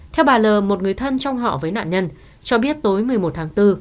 theo bà l một người thân trong họ với nạn nhân cho biết tối một mươi một tháng bốn